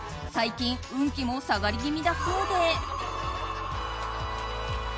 最近、運気も下がり気味だそうで。